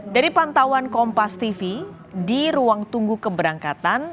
dari pantauan kompas tv di ruang tunggu keberangkatan